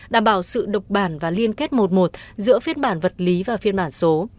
đảm bảo sự độc bản và liên kết một một giữa phiên bản vật lý và phiên bản số